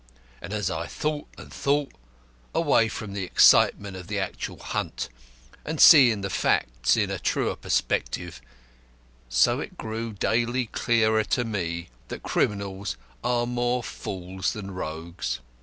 And as I thought and thought, away from the excitement of the actual hunt, and seeing the facts in a truer perspective, so it grew daily clearer to me that criminals were more fools than rogues.